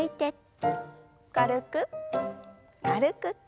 軽く軽く。